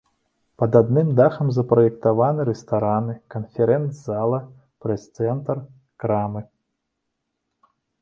Пад адным дахам запраектаваны рэстараны, канферэнц-зала, прэс-цэнтр, крамы.